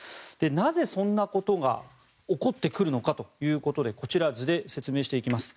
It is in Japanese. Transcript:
なぜそんなことが起こってくるのかということでこちら、図で説明していきます。